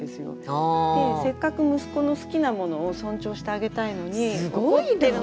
せっかく息子の好きなものを尊重してあげたいのに怒ってる。